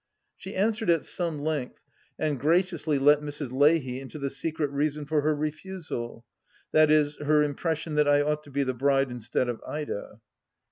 She answered at some length, and graciously let Mrs. Leahy into the secret reason for her refusal, viz. her impression that I ought to be the bride instead of Ida.